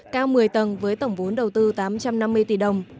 cao một mươi tầng với tổng vốn đầu tư tám trăm năm mươi tỷ đồng